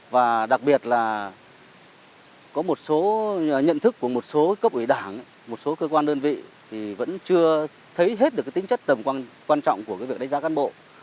và đặc biệt là có một số nhận thức của một số cấp ủy đảng một số cơ quan đơn vị thì vẫn chưa thấy hết được tính chất tầm quan trọng của việc đánh giá cán bộ